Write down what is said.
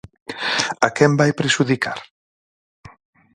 ¿A quen vai prexudicar?